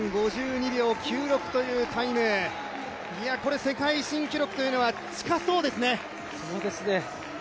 ３分５２秒９６というタイム、これ世界新記録というのは近そうですね。